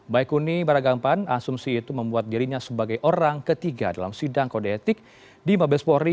baikuni beragampan asumsi itu membuat dirinya sebagai orang ketiga dalam sidang kode etik di mabespori